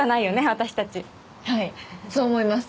私たちはいそう思います